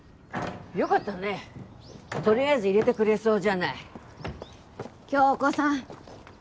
よかったねとりあえず入れてくれそうじゃない響子さん